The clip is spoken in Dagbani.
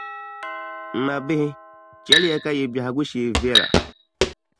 M mabihi chɛliya ka yi bɛhigu shee viɛla.